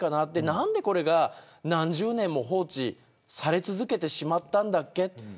何でこれが何十年も放置され続けてしまったんだっけと。